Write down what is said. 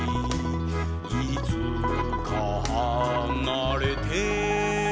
「いつかはなれて」